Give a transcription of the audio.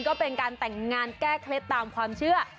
ก็เป็นการแต่งงานแก้เคล็ดตามความเชื่อ